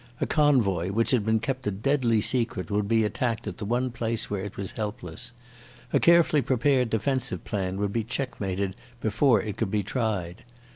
A convoy which had been kept a deadly secret would be attacked at the one place where it was helpless. A carefully prepared defensive plan would be checkmated before it could be tried.